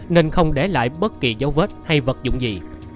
nên không để lại bất kỳ dấu vết hay vật dụng gì